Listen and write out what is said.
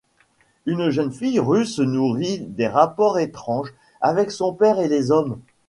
Une jeune fille russe nourrit des rapports étranges avec son père et les hommes.